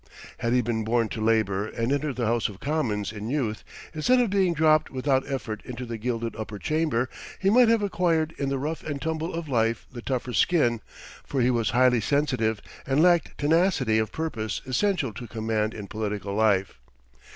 Had he been born to labor and entered the House of Commons in youth, instead of being dropped without effort into the gilded upper chamber, he might have acquired in the rough and tumble of life the tougher skin, for he was highly sensitive and lacked tenacity of purpose essential to command in political life.